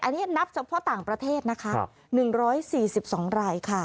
อันนี้นับเฉพาะต่างประเทศนะคะ๑๔๒รายค่ะ